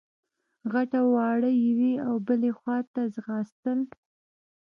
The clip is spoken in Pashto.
غټ او واړه يوې او بلې خواته ځغاستل.